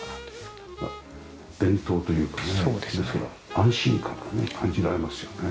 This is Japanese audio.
伝統というかね安心感がね感じられますよね。